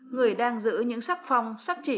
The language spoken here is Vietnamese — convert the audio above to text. người đang giữ những sắc phong sắc chỉ